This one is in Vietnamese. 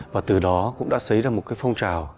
và từ đó cũng đã xấy ra một cái phong trào